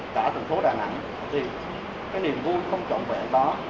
cả thành phố đà nẵng thì cái niềm vui không trọng vệ đó